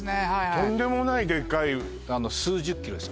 とんでもないでっかい数十キロです